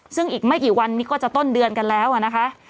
ซึ่งอีกไม่กี่วันนี้ก็จะต้นเดือนกันแล้วนะคะ